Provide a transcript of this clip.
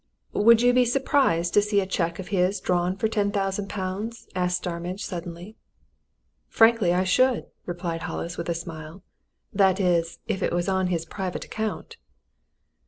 "Would you be surprised to see a cheque of his drawn for ten thousand pounds?" asked Starmidge suddenly. "Frankly, I should!" replied Hollis, with a smile. "That is, if it was on his private account."